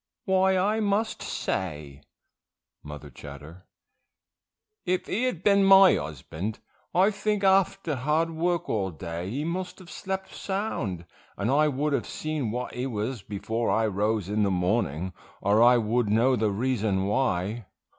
Why I must say, Mother Chatter, if he had been my husband, I think after hard work all day he must have slept sound, and I would have seen what he was before I rose in the morning, or I'd know the reason why.